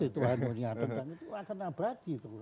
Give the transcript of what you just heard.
itu akan nabrak gitu